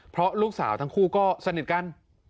เพราะลูกสาวทั้งคู่ก็สนิทกัน